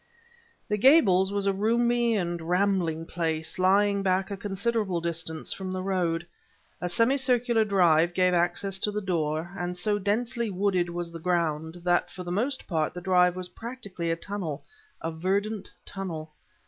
The Gables was a roomy and rambling place lying back a considerable distance from the road. A semicircular drive gave access to the door, and so densely wooded was the ground, that for the most part the drive was practically a tunnel a verdant tunnel.